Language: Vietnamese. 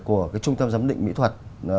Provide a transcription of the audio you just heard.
của cái trung tâm giám định mỹ thuật